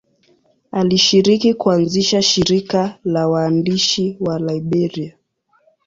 Alishiriki kuanzisha shirika la waandishi wa Liberia.